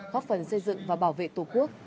góp phần xây dựng và bảo vệ tổ quốc